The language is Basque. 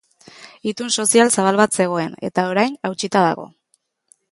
Itun sozial zabal bat zegoen, eta orain hautsita dago.